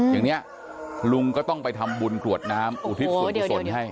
อย่างนี้ลุงก็ต้องไปทำบุญกรวดน้ำอุทิศส่วนกุศลให้